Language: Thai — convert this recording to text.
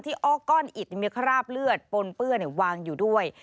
อ้อก้อนอิดมีคราบเลือดปนเปื้อวางอยู่ด้วย